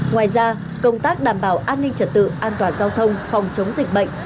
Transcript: ngoài ra công tác đảm bảo an ninh trật tự an toàn giao thông phòng chống dịch bệnh